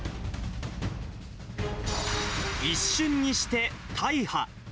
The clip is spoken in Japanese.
一瞬にして大破。